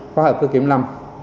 có hợp với kiểm lâm